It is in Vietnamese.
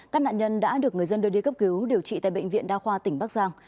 các nạn nhân đã được người dân đưa đi cấp cứu điều trị tại bệnh viện đa khoa tỉnh bắc giang